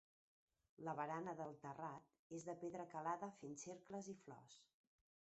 La barana del terrat és de pedra calada fent cercles i flors.